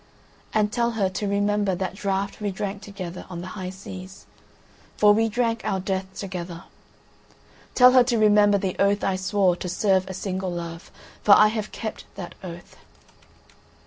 And tell her to remember that draught we drank together on the high seas. For we drank our death together. Tell her to remember the oath I swore to serve a single love, for I have kept that oath."